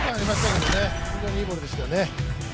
非常にいいボールでしたよね。